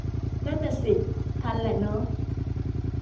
นั่นน่ะสิ ทันแหละเนอะ